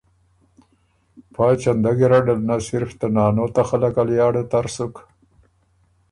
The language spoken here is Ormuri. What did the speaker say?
پا چندۀ ګیرډ ال نۀ صرف ته نانو ته خلق ا لیاړه تر سُک